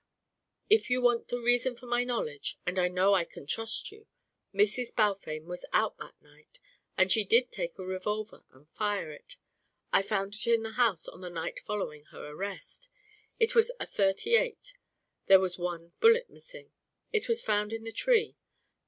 If you want the reason for my knowledge, and I know I can trust you, Mrs. Balfame was out that night, and she did take a revolver and fire it. I found it in the house on the night following her arrest. It was a thirty eight. There was one bullet missing. It was found in the tree.